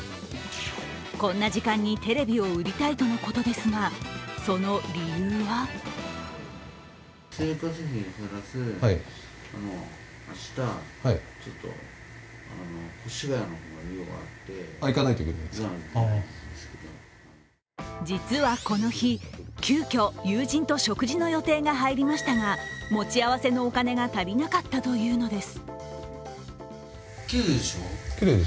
こんな時間にテレビを売りたいとのことですが、その理由は実はこの日、急きょ友人と食事の予定が入りましたが持ち合わせのお金が足りなかったというのです。